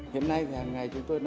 hiện nay hằng ngày chúng tôi